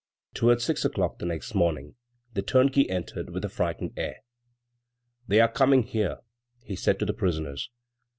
Toward six o'clock the next morning, the turnkey entered with a frightened air: "They are coming here," he said to the prisoners.